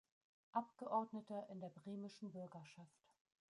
Abgeordneter in der Bremischen Bürgerschaft.